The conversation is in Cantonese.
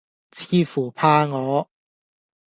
似乎怕我，